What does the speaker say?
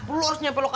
harus nyampe lo kasi